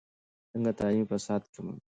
څنګه تعلیم فساد کموي؟